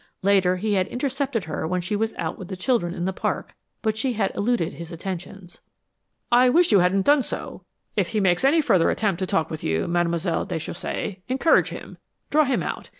Later, he had intercepted her when she was out with the children in the park; but she had eluded his attentions. "I wish you hadn't done so. If he makes any further attempt to talk with you, Mademoiselle Déchaussée, encourage him, draw him out.